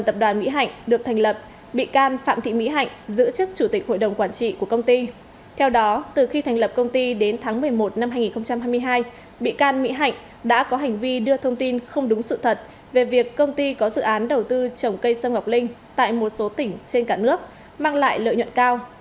theo đó từ khi thành lập công ty đến tháng một mươi một năm hai nghìn hai mươi hai bị can mỹ hạnh đã có hành vi đưa thông tin không đúng sự thật về việc công ty có dự án đầu tư trồng cây sâm ngọc linh tại một số tỉnh trên cả nước mang lại lợi nhuận cao